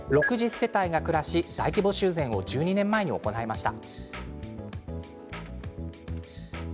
世帯が暮らし大規模修繕を１２年前に行いました。